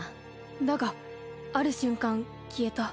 だがある瞬間消えた。